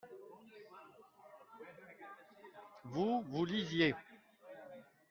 vous, vous lisiez.